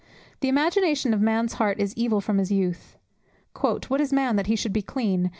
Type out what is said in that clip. "The imagination of man's heart is evil from his youth." "What is man, that he should be clean?